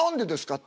って。